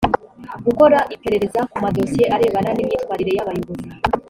gukora iperereza ku madosiye arebana n imyitwarire y abayobozi